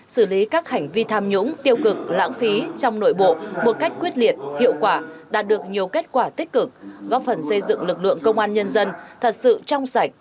xử lý các hành vi tham nhũng tiêu cực lãng phí trong nội bộ một cách quyết liệt hiệu quả đạt được nhiều kết quả tích cực góp phần xây dựng lực lượng công an nhân dân thật sự trong sạch